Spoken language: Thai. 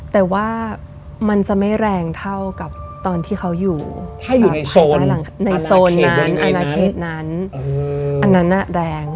แต่ว่ามันจะไม่แรงเท่ากับตอนที่เขาอยู่ถ้าอยู่ในโซนในโซนนั้นอนาเคสนั้นอันนั้นแรง